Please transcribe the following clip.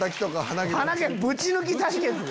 鼻毛ぶち抜き対決？